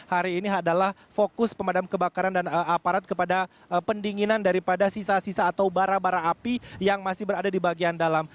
hari ini adalah fokus pemadam kebakaran dan aparat kepada pendinginan daripada sisa sisa atau bara bara api yang masih berada di bagian dalam